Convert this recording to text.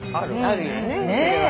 あるよね